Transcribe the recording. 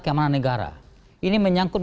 keamanan negara ini menyangkut